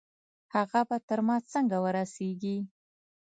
هغه به تر ما څنګه ورسېږي؟